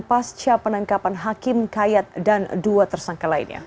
pasca penangkapan hakim kayat dan dua tersangka lainnya